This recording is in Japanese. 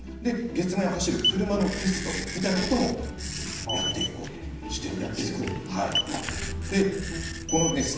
月面を走る車のテストみたいなことも、やっていこうとしているんです。